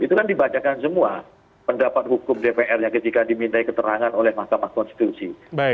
itu kan dibacakan semua pendapat hukum dpr nya ketika dimintai keterangan oleh mahkamah konstitusi